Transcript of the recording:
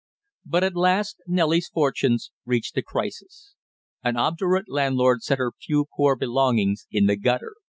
But at last Nellie's fortunes reached a crisis. An obdurate landlord set her few poor belongings in the gutter.